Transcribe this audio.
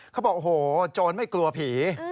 เขาบอกโอ้โหโจรไม่กลัวผี